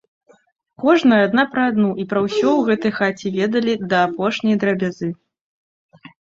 Кожная адна пра адну і пра ўсё ў гэтай хаце ведалі да апошняй драбязы.